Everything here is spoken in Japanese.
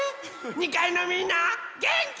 ２かいのみんなげんき？